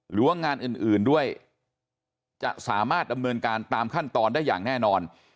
หรือว่างานอื่นด้วยจะสามารถดำเนินการตามขั้นตอนได้อย่างแน่นอน